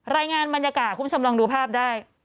รายงานบรรยากาศคุณผู้ชมลองดูภาพได้